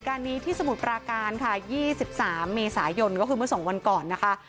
การนี้ที่สมุทรปราการค่ะ๒๓เมษายนก็คือเมื่อ๒วันก่อนนะคะ